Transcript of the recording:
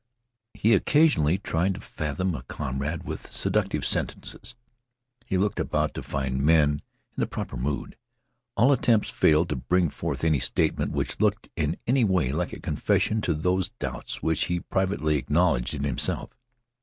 He occasionally tried to fathom a comrade with seductive sentences. He looked about to find men in the proper mood. All attempts failed to bring forth any statement which looked in any way like a confession to those doubts which he privately acknowledged in himself.